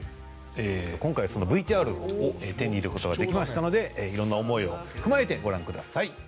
えー今回そのＶＴＲを手に入れる事ができましたので色んな思いを踏まえてご覧ください。